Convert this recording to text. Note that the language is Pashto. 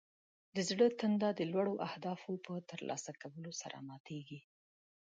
د زړه تنده د لوړو اهدافو په ترلاسه کولو سره ماته کیږي.